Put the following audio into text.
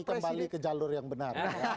kembali ke jalur yang benar